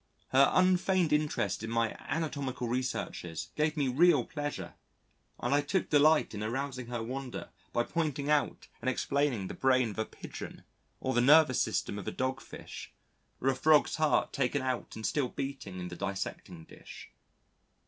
Her unfeigned interest in my anatomical researches gave me real pleasure, and I took delight in arousing her wonder by pointing out and explaining the brain of a Pigeon or the nervous system of a Dog fish, or a Frog's heart taken out and still beating in the dissecting dish.